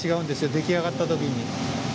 出来上がった時に。